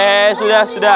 eh sudah sudah